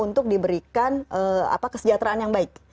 untuk diberikan kesejahteraan yang baik